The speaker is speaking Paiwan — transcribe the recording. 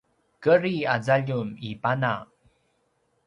kedri a zaljum i pana